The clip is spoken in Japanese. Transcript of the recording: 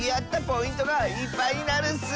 ポイントがいっぱいになるッス！